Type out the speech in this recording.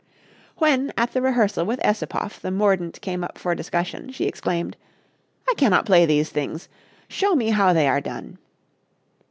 When, at the rehearsal with Essipoff, the mordent came up for discussion she exclaimed: "'I cannot play these things; show me how they are done.'